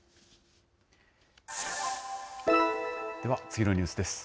では、次のニュースです。